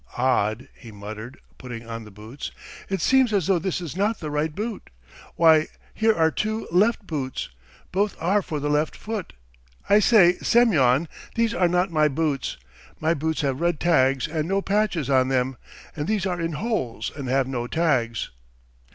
"Odd ..." he muttered, putting on the boots, "it seems as though this is not the right boot. Why, here are two left boots! Both are for the left foot! I say, Semyon, these are not my boots! My boots have red tags and no patches on them, and these are in holes and have no tags."